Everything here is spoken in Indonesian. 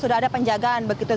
sudah ada penjagaan begitu